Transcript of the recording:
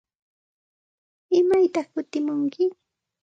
¿Imaytaq kutimunki?